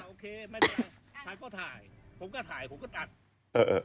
โอเคไม่เป็นไรถ่ายก็ถ่ายผมก็ถ่ายผมก็ตัด